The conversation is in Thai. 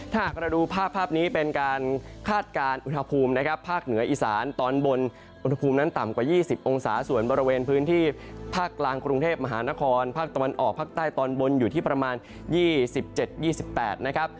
ถ้าหากเราดูภาพภาพนี้เป็นการคาดการณ์อุณหภูมินะครับภาคเหนืออีสานตอนบนอุณหภูมินั้นต่ำกว่า๒๐องศาส่วนบริเวณพื้นที่ภาคกลางกรุงเทพมหานครภาคตะวันออกภาคใต้ตอนบนอยู่ที่ประมาณ๒๗๒๘นะครับ